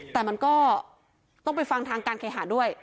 แต่มันก็ต้องไปฟังทางการเคหาด้วย